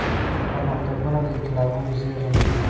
پرمختګونه د انقلابونو زيږنده دي.